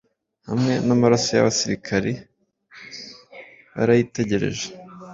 Hamwe namaraso yabasirikari barayitegereje